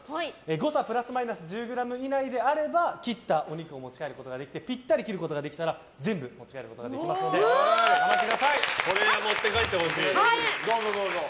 誤差プラスマイナス１０ｇ以内であれば切ったお肉を持ち帰ることができてぴったり切ることができれば全部持ち帰ることができますのでこれは持って帰ってほしい。